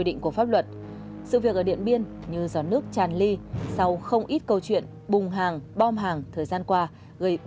đây cũng là bài học cho các dịch vụ nhà hàng